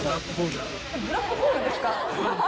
ブラックホールですか？